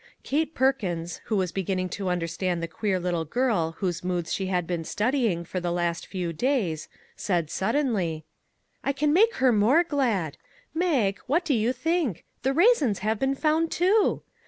Kate Perkins, who was beginning to understand the queer little girl whose moods she had been studying for the last few days, said suddenly :" I can make her more glad. Mag, what do you think? the raisins have been found, too!